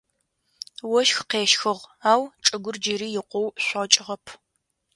Ощх къещхыгъ, ау чӏыгур джыри икъоу шъокӏыгъэп.